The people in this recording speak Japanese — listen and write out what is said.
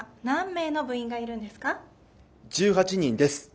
１８人です。